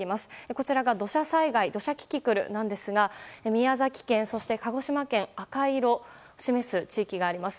こちらが土砂災害土砂キキクルですが宮崎県そして鹿児島県赤色を示す地域があります。